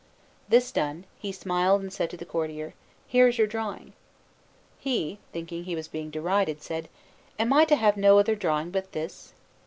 This done, he smiled and said to the courtier: "Here is your drawing." He, thinking he was being derided, said: "Am I to have no other drawing but this?"